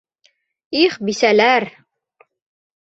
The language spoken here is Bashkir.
Их, бисәләр!